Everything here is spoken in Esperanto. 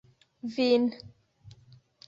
vin